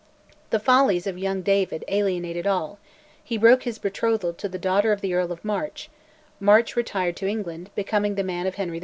The follies of young David alienated all: he broke his betrothal to the daughter of the Earl of March; March retired to England, becoming the man of Henry IV.